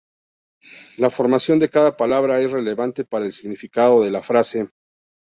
La formación de cada palabra es relevante para el significado de la frase.